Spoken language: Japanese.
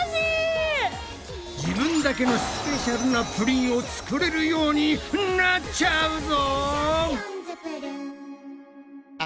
自分だけのスペシャルなプリンを作れるようになっちゃうぞ！